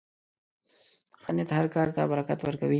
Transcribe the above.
ښه نیت هر کار ته برکت ورکوي.